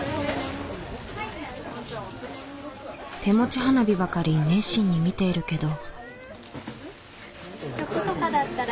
手持ち花火ばかり熱心に見ているけど。